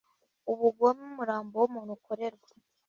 ubugome umurambo w umuntu ukorerwa